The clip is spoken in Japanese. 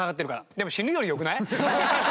でも死ぬより良くない？